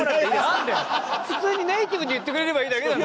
普通にネイティブに言ってくれればいいだけじゃん。